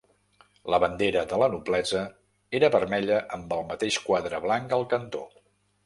La bandera de la noblesa era vermella amb el mateix quadre blanc al cantó.